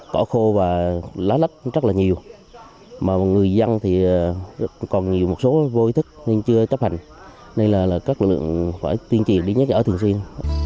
cỏ khô và lá lách rất là nhiều mà người dân thì còn nhiều một số vô ý thức nên chưa chấp hành nên là các lực lượng phải tiên triệt đi nhất ở thường xuyên